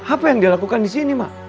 apa yang dia lakukan di sini mak